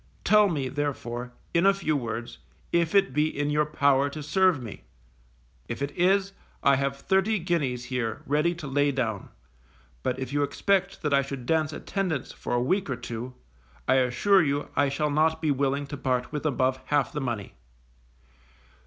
Tell me, therefore, in a few words, if it be in your power to serve me. If it is, I have thirty guineas here ready to lay down, but if you expect that I should dance attendance for a week or two, I assure you I shall not be willing to part with above half the money.